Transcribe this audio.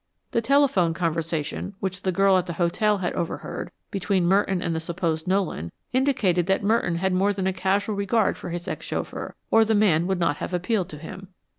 The telephone conversation, which the girl at the hotel had overheard, between Merton and the supposed Nolan, indicated that Merton had more than a casual regard for his ex chauffeur, or the man would not have appealed to him.